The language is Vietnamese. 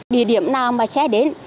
địa điểm nào mà xe đến